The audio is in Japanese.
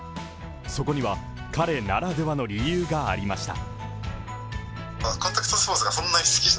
そこには彼ならではの理由がありました。